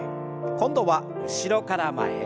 今度は後ろから前へ。